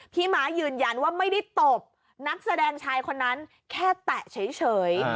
ม้ายืนยันว่าไม่ได้ตบนักแสดงชายคนนั้นแค่แตะเฉย